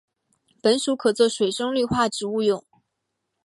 本属可做水生绿化植物用。